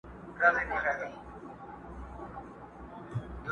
او پر تور مخ يې له بې واکو له بې نوره سترګو!